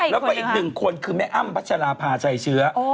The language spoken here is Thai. แล้วก็อีกหนึ่งคนคือแม่อ้ำพัชราภาชัยเชื้อ